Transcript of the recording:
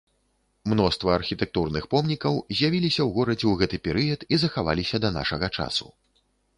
Мноства архітэктурных помнікаў з'явіліся ў горадзе ў гэты перыяд і захаваліся да нашага часу.